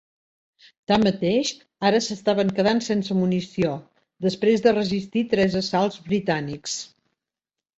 Tanmateix, ara s'estaven quedant sense munició, després de resistir tres assalts britànics.